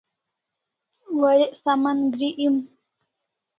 Warek saman gri em